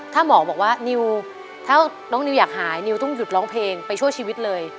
ถ้าหมอบอกว่านิวถ้าน้องนิวอยากหายนิวต้องหยุดร้องเพลงไปช่วยชีวิตเลย